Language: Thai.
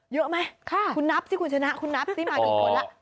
เยอะไหมคุณนับสิคุณชนะคุณนับสิมากี่คนแล้ว